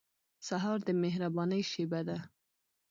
سهار د مهربانۍ شېبه ده.